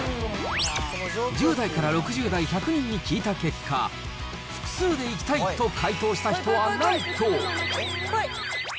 １０代から６０代１００人に聞いた結果、複数で行きたいと回答した人はなんと。